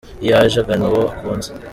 Iyo aje agana uwo akunze